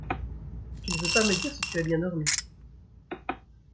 tu ne veux pas me dire si tu as bien dormi ?